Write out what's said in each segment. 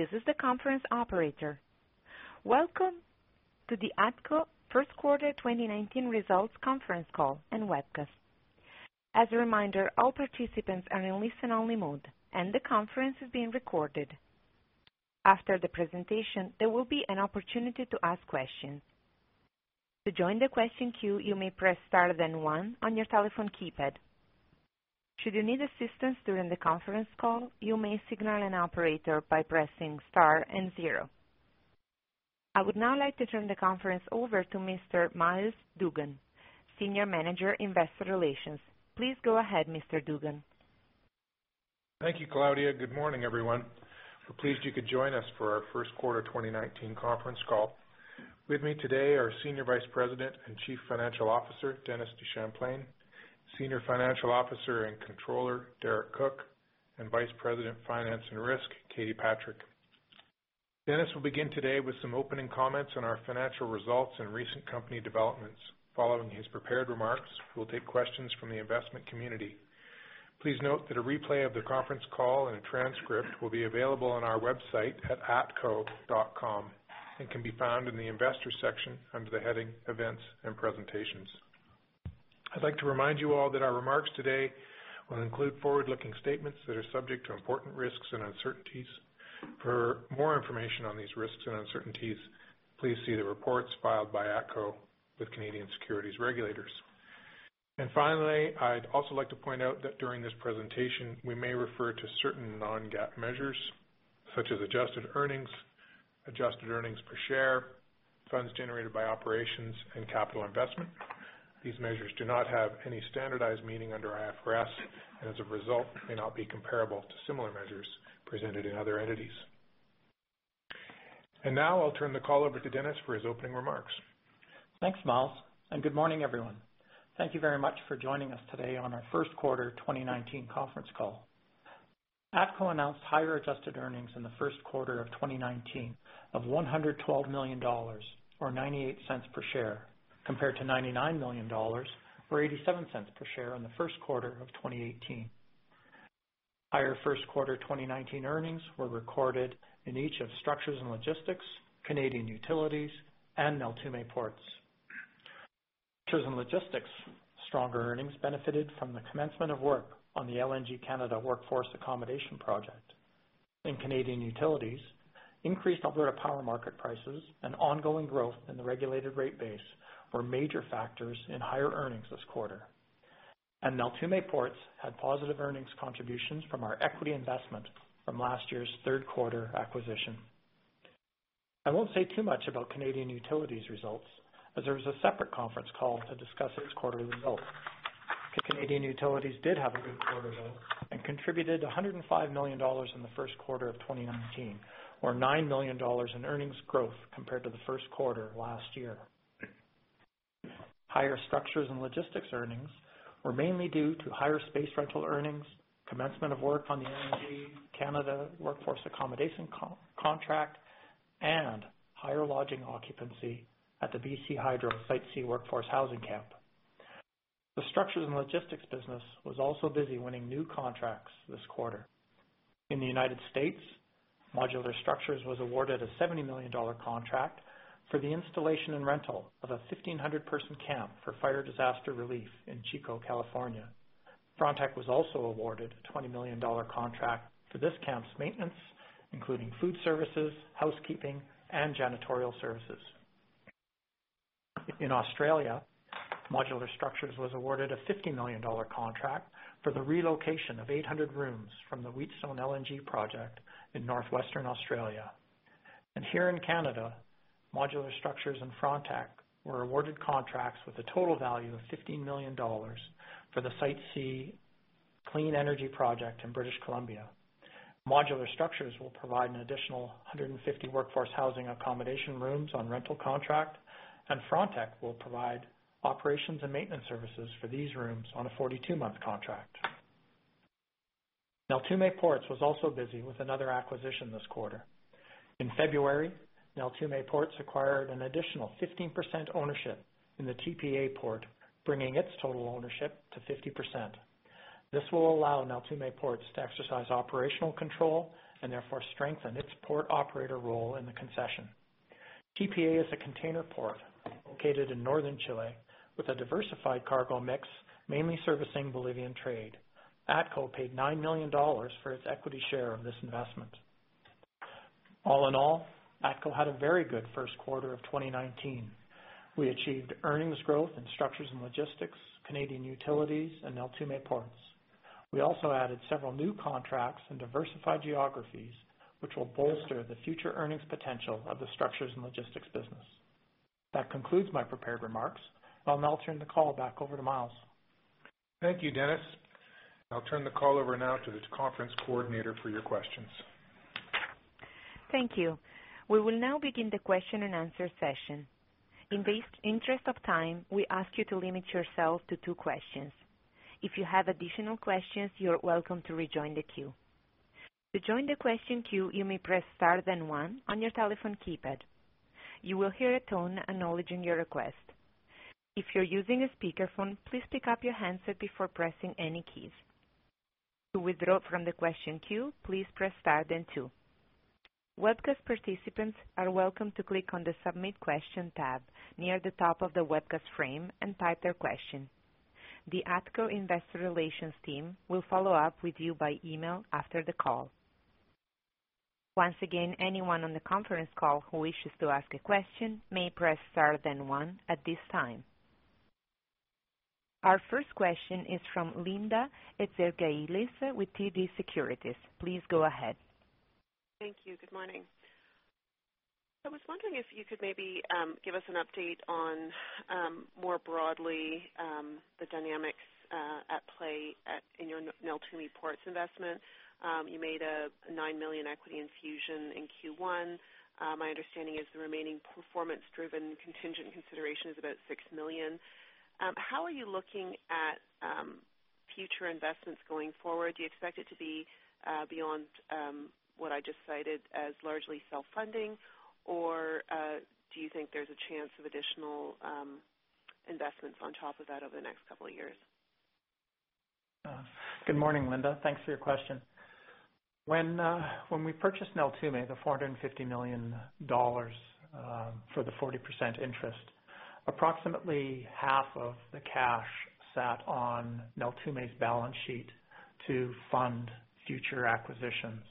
This is the conference operator. Welcome to the ATCO First Quarter 2019 Results Conference Call and Webcast. As a reminder, all participants are in listen-only mode, and the conference is being recorded. After the presentation, there will be an opportunity to ask questions. To join the question queue, you may press star then one on your telephone keypad. Should you need assistance during the conference call, you may signal an operator by pressing star and zero. I would now like to turn the conference over to Mr. Myles Dougan, Senior Manager, Investor Relations. Please go ahead, Mr. Dougan. Thank you, Claudia. Good morning, everyone. We're pleased you could join us for our first quarter 2019 conference call. With me today are Senior Vice President and Chief Financial Officer, Dennis DeChamplain, Senior Financial Officer and Controller, Derek Cook, and Vice President, Finance and Risk, Katie Patrick. Dennis will begin today with some opening comments on our financial results and recent company developments. Following his prepared remarks, we'll take questions from the investment community. Please note that a replay of the conference call and a transcript will be available on our website at atco.com and can be found in the Investors section under the heading Events and Presentations. I'd like to remind you all that our remarks today will include forward-looking statements that are subject to important risks and uncertainties. For more information on these risks and uncertainties, please see the reports filed by ATCO with Canadian securities regulators. Finally, I'd also like to point out that during this presentation, we may refer to certain non-GAAP measures, such as adjusted earnings, adjusted earnings per share, funds generated by operations, and capital investment. These measures do not have any standardized meaning under IFRS, and as a result, may not be comparable to similar measures presented in other entities. Now I'll turn the call over to Dennis for his opening remarks. Thanks, Myles, good morning, everyone. Thank you very much for joining us today on our first quarter 2019 conference call. ATCO announced higher-adjusted earnings in the first quarter of 2019 of 112 million dollars, or 0.98 per share, compared to 99 million dollars or 0.87 per share in the first quarter of 2018. Higher first quarter 2019 earnings were recorded in each of Structures and Logistics, Canadian Utilities, and Neltume Ports. Structures and Logistics' stronger earnings benefited from the commencement of work on the LNG Canada Workforce Accommodation project. In Canadian Utilities, increased Alberta power market prices and ongoing growth in the regulated rate base were major factors in higher earnings this quarter. Neltume Ports had positive earnings contributions from our equity investment from last year's third-quarter acquisition. I won't say too much about Canadian Utilities results as there is a separate conference call to discuss its quarter results. Canadian Utilities did have a good quarter, though, and contributed 105 million dollars in the first quarter of 2019, or 9 million dollars in earnings growth compared to the first quarter last year. Higher Structures and Logistics earnings were mainly due to higher space rental earnings, commencement of work on the LNG Canada Workforce Accommodation contract, and higher lodging occupancy at the BC Hydro Site C workforce housing camp. The Structures and Logistics business was also busy winning new contracts this quarter. In the U.S., Modular Structures was awarded a 70 million dollar contract for the installation and rental of a 1,500-person camp for fire disaster relief in Chico, California. Frontec was also awarded a 20 million dollar contract for this camp's maintenance, including food services, housekeeping, and janitorial services. In Australia, Modular Structures was awarded a 50 million dollar contract for the relocation of 800 rooms from the Wheatstone LNG Project in northwestern Australia. Here in Canada, Modular Structures and Frontec were awarded contracts with a total value of 15 million dollars for the Site C Clean Energy Project in British Columbia. Modular Structures will provide an additional 150 workforce housing accommodation rooms on rental contract, and Frontec will provide operations and maintenance services for these rooms on a 42-month contract. Neltume Ports was also busy with another acquisition this quarter. In February, Neltume Ports acquired an additional 15% ownership in the TPA port, bringing its total ownership to 50%. This will allow Neltume Ports to exercise operational control and therefore strengthen its port operator role in the concession. TPA is a container port located in northern Chile with a diversified cargo mix, mainly servicing Bolivian trade. ATCO paid 9 million dollars for its equity share of this investment. All in all, ATCO had a very good first quarter of 2019. We achieved earnings growth in Structures and Logistics, Canadian Utilities, and Neltume Ports. We also added several new contracts in diversified geographies, which will bolster the future earnings potential of the Structures and Logistics business. That concludes my prepared remarks. I'll now turn the call back over to Myles. Thank you, Dennis. I'll turn the call over now to the conference coordinator for your questions. Thank you. We will now begin the question-and-answer session. In the interest of time, we ask you to limit yourself to two questions. If you have additional questions, you're welcome to rejoin the queue. To join the question queue, you may press star then one on your telephone keypad. You will hear a tone acknowledging your request. If you're using a speakerphone, please pick up your handset before pressing any keys. To withdraw from the question queue, please press star then two. Webcast participants are welcome to click on the Submit Question tab near the top of the webcast frame and type their question. The ATCO investor relations team will follow up with you by email after the call. Once again, anyone on the conference call who wishes to ask a question may press star then one at this time. Our first question is from Linda Ezergailis with TD Securities. Please go ahead. Thank you. Good morning. I was wondering if you could maybe give us an update on more broadly, the dynamics at play in your Neltume Ports investment. You made a 9 million equity infusion in Q1. My understanding is the remaining performance-driven contingent consideration is about 6 million. How are you looking at future investments going forward? Do you expect it to be beyond what I just cited as largely self-funding, or do you think there's a chance of additional investments on top of that over the next couple of years? Good morning, Linda. Thanks for your question. When we purchased Neltume, the 450 million dollars for the 40% interest, approximately half of the cash sat on Neltume's balance sheet to fund future acquisitions.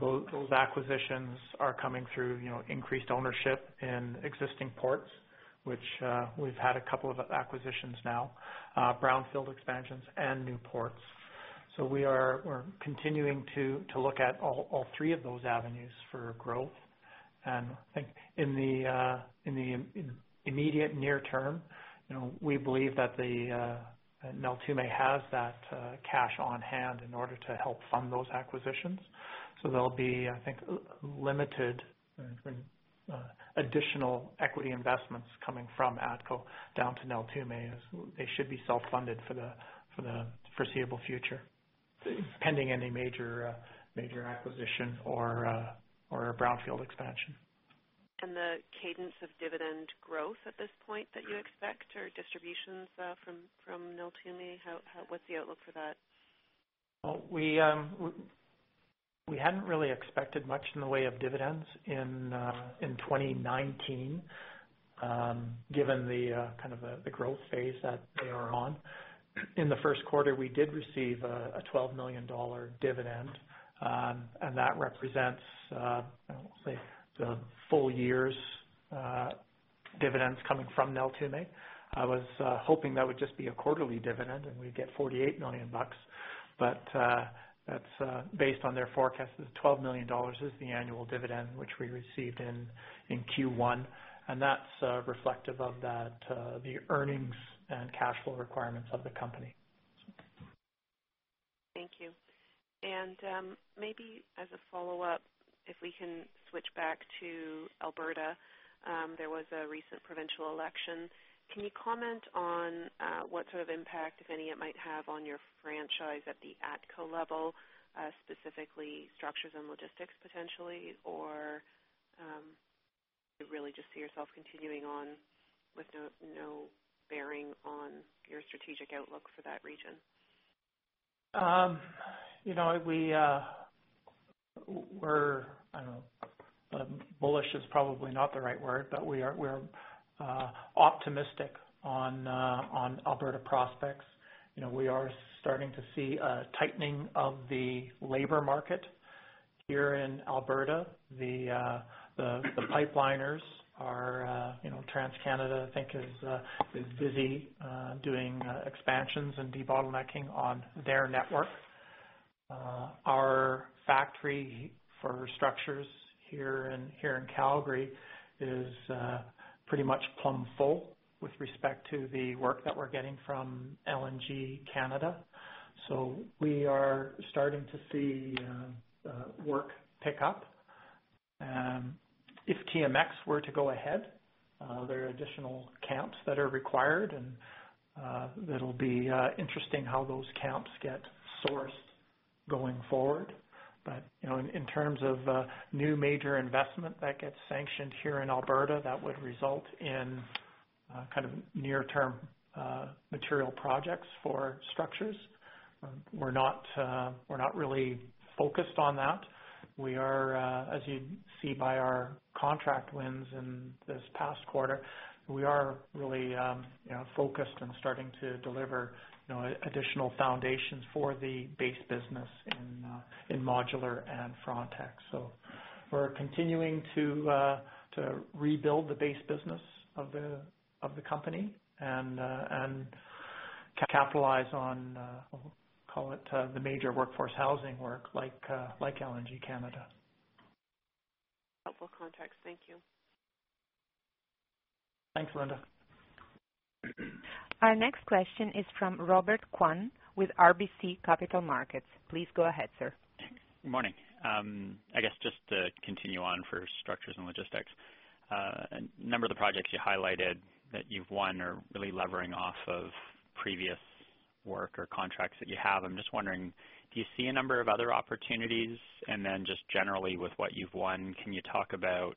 Those acquisitions are coming through increased ownership in existing ports, which we've had a couple of acquisitions now, brownfield expansions, and new ports. We are continuing to look at all three of those avenues for growth. I think in the immediate near term, we believe that Neltume has that cash on hand in order to help fund those acquisitions. There'll be, I think, limited additional equity investments coming from ATCO down to Neltume. They should be self-funded for the foreseeable future, pending any major acquisition or a brownfield expansion. The cadence of dividend growth at this point that you expect or distributions from Neltume, what's the outlook for that? We hadn't really expected much in the way of dividends in 2019, given the growth phase that they are on. In the first quarter, we did receive a 12 million dollar dividend. That represents the full year's dividends coming from Neltume. I was hoping that would just be a quarterly dividend, and we'd get 48 million bucks. That's based on their forecast is 12 million dollars is the annual dividend, which we received in Q1, and that's reflective of the earnings and cash flow requirements of the company. Thank you. Maybe as a follow-up, if we can switch back to Alberta. There was a recent provincial election. Can you comment on what sort of impact, if any, it might have on your franchise at the ATCO level, specifically Structures and Logistics potentially? Do you really just see yourself continuing on with no bearing on your strategic outlook for that region? Bullish is probably not the right word, but we're optimistic on Alberta prospects. We are starting to see a tightening of the labor market here in Alberta. The pipeliners are TransCanada, I think, is busy doing expansions and debottlenecking on their network. Our factory for structures here in Calgary is pretty much plumb full with respect to the work that we're getting from LNG Canada. We are starting to see work pick up. If TMX were to go ahead, there are additional camps that are required and that'll be interesting how those camps get sourced going forward. In terms of new major investment that gets sanctioned here in Alberta, that would result in near-term material projects for structures. We're not really focused on that. As you see by our contract wins in this past quarter, we are really focused on starting to deliver additional foundations for the base business in modular and Frontec. We're continuing to rebuild the base business of the company and capitalize on, call it, the major workforce housing work like LNG Canada. Helpful context. Thank you. Thanks, Linda. Our next question is from Robert Kwan with RBC Capital Markets. Please go ahead, sir. Good morning. Just generally with what you've won, can you talk about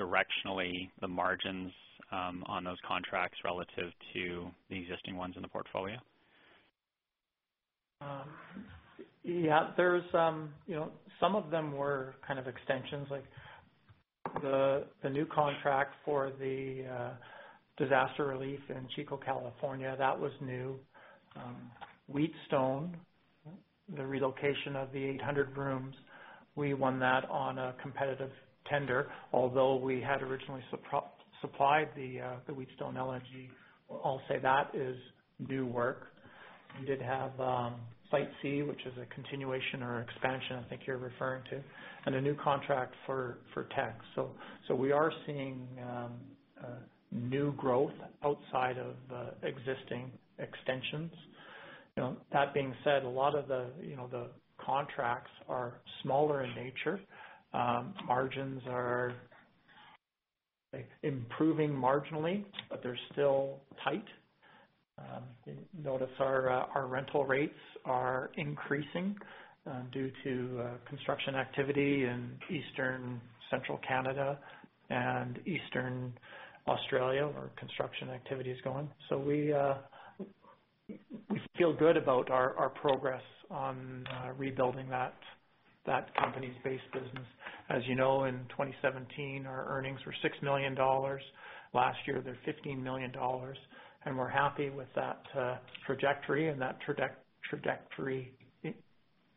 directionally the margins on those contracts relative to the existing ones in the portfolio? I guess just to continue on for Structures and Logistics. A number of the projects you highlighted that you've won are really levering off of previous work or contracts that you have. I'm just wondering, do you see a number of other opportunities? Yeah. Some of them were extensions. The new contract for the disaster relief in Chico, California, that was new. Wheatstone, the relocation of the 800 rooms, we won that on a competitive tender, although we had originally supplied the Wheatstone LNG. I'll say that is new work. We did have Site C, which is a continuation or expansion I think you're referring to, and a new contract for Frontech. We are seeing new growth outside of existing extensions. That being said, a lot of the contracts are smaller in nature. Margins are improving marginally, but they're still tight. You notice our rental rates are increasing due to construction activity in Eastern Central Canada and Eastern Australia, where construction activity is going. We feel good about our progress on rebuilding that company's base business. As you know, in 2017, our earnings were 6 million dollars. Last year, they were 15 million dollars. We're happy with that trajectory and that trajectory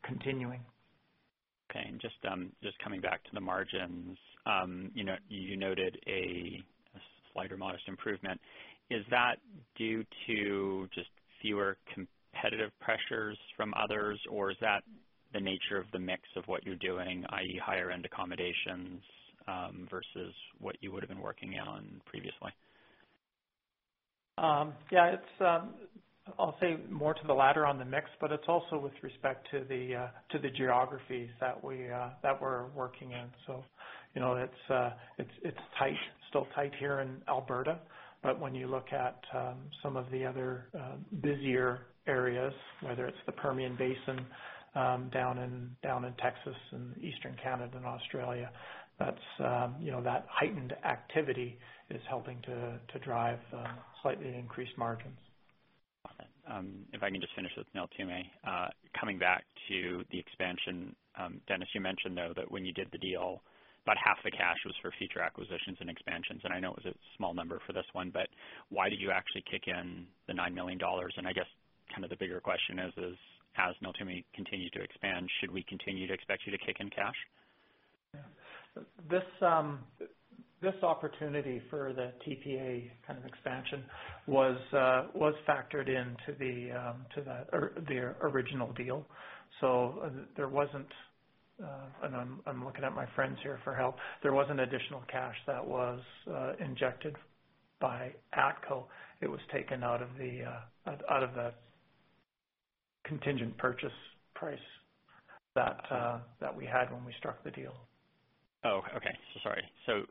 continuing. Okay. Just coming back to the margins. You noted a slight or modest improvement. Is that due to just fewer competitive pressures from others, or is that the nature of the mix of what you're doing, i.e., higher-end accommodations, versus what you would've been working on previously? I'll say more to the latter on the mix, but it's also with respect to the geographies that we're working in. It's still tight here in Alberta. When you look at some of the other busier areas, whether it's the Permian Basin down in Texas and Eastern Canada and Australia, that heightened activity is helping to drive slightly increased margins. Awesome. If I can just finish with Neltume. Coming back to the expansion, Dennis, you mentioned, though, that when you did the deal, about half the cash was for future acquisitions and expansions, and I know it was a small number for this one. Why did you actually kick in the 9 million dollars? I guess the bigger question is, as Neltume continue to expand, should we continue to expect you to kick in cash? This opportunity for the TPA expansion was factored into the original deal. There wasn't, and I'm looking at my friends here for help. There was an additional cash that was injected by ATCO. It was taken out of the contingent purchase price that we had when we struck the deal. Okay. Sorry.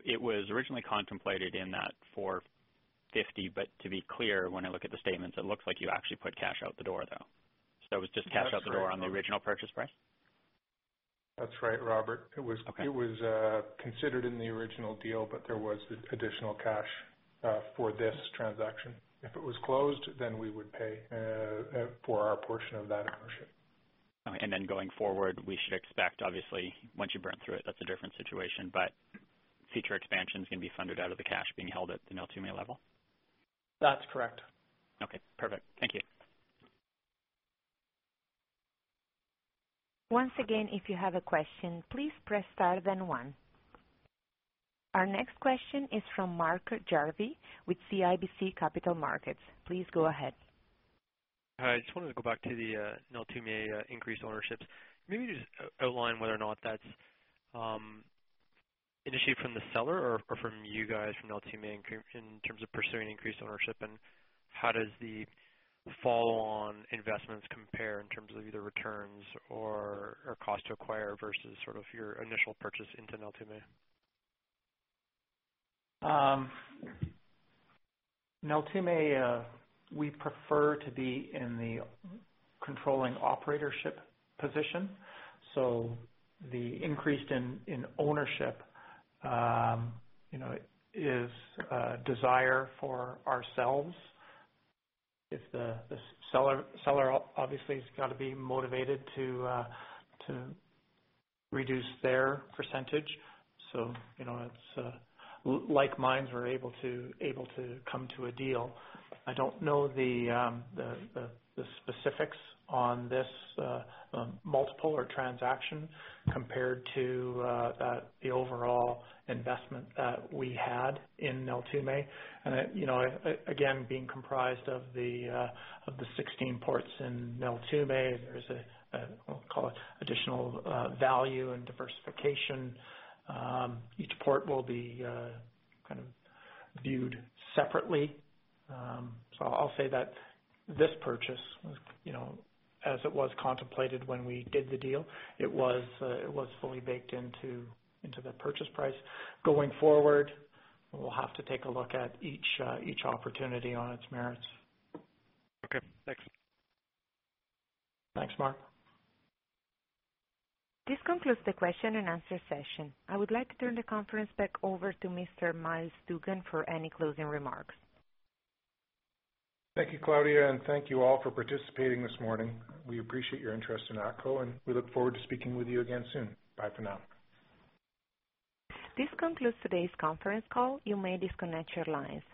It was originally contemplated in that 450 million. To be clear, when I look at the statements, it looks like you actually put cash out the door, though. It was just cash out the door on the original purchase price? That's right, Robert. Okay. It was considered in the original deal, but there was additional cash for this transaction. If it was closed, then we would pay for our portion of that ownership. Okay. Going forward, we should expect, obviously, once you burn through it, that's a different situation. Future expansions can be funded out of the cash being held at the Neltume level? That's correct. Okay, perfect. Thank you. Once again, if you have a question, please press star then one. Our next question is from Mark Jarvi with CIBC Capital Markets. Please go ahead. Hi, I just wanted to go back to the Neltume increased ownership. Maybe just outline whether or not that's initiated from the seller or from you guys, from Neltume, in terms of pursuing increased ownership, and how does the follow-on investments compare in terms of either returns or cost to acquire versus your initial purchase into Neltume? Neltume, we prefer to be in the controlling operatorship position. The increase in ownership is a desire for ourselves. If the seller obviously has got to be motivated to reduce their percentage. Like minds are able to come to a deal. I don't know the specifics on this multiple or transaction compared to the overall investment that we had in Neltume. Again, being comprised of the 16 ports in Neltume, there's a, we'll call it, additional value and diversification. Each port will be viewed separately. I'll say that this purchase, as it was contemplated when we did the deal, it was fully baked into the purchase price. Going forward, we'll have to take a look at each opportunity on its merits. Okay, thanks. Thanks, Mark. This concludes the question and answer session. I would like to turn the conference back over to Mr. Myles Dougan for any closing remarks. Thank you, Claudia, and thank you all for participating this morning. We appreciate your interest in ATCO, and we look forward to speaking with you again soon. Bye for now. This concludes today's conference call. You may disconnect your lines.